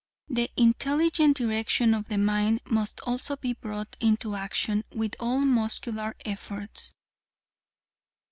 The intelligent direction of the mind must also be brought into action with all muscular efforts.